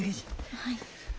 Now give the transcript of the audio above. はい。